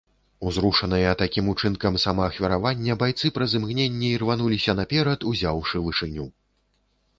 Узрушаныя такім учынкам самаахвяравання байцы праз імгненне ірвануліся наперад, узяўшы вышыню.